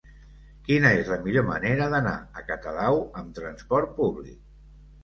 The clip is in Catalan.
Quina és la millor manera d'anar a Catadau amb transport públic?